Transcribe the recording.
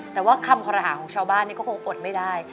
แต่ว่าคำคอรหาของชาวบ้านก็คงอดไม่ได้